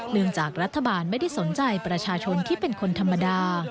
จากรัฐบาลไม่ได้สนใจประชาชนที่เป็นคนธรรมดา